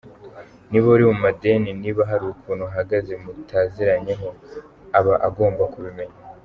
Niba uri mu madeni, niba hari ukuntu uhagaze mutaziranyeho aba agomba kubimenya.